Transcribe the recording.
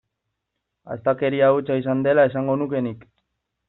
Astakeria hutsa izan dela esango nuke nik.